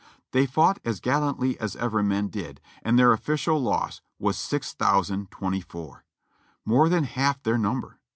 They fought as gallantly as ever men did, and their official loss was 6,024; niore than half their number.